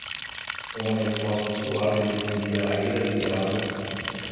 Uma resposta suave desvia a ira do diabo